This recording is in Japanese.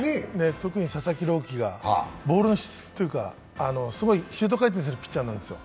特に佐々木朗希がボールの質というかすごいシュート回転するピッチャーなんですよ。